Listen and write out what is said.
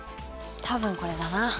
多分、これだな。